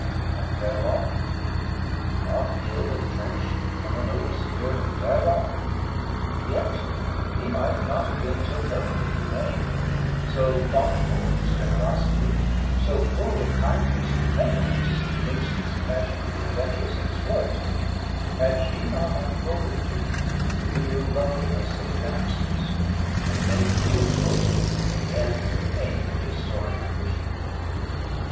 And Clerval could aught ill entrench on the noble spirit of Clerval? yet he might not have been so perfectly humane, so thoughtful in his generosity so full of kindness and tenderness amidst his passion for adventurous exploit, had she not unfolded to him the real loveliness of beneficence, and made the doing good the end and aim of his soaring ambition.